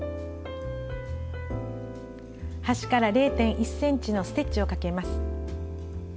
端から０．１ｃｍのステッチをかけます。